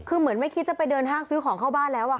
คือเหมือนไม่คิดจะไปเดินห้างซื้อของเข้าบ้านแล้วอะค่ะ